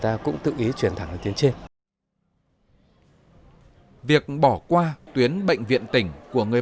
ta cũng tự ý chuyển thẳng lên tuyến trên việc bỏ qua tuyến bệnh viện tỉnh của người